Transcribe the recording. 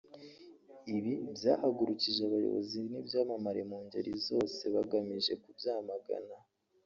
ibi byahagurukije abayobozi n’ibyamamare mu ngeri zose bagamije kubyamagana